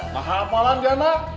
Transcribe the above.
maha apalan dia nak